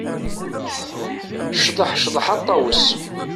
Cḍeḥ, cḍeḥ a ṭṭawes.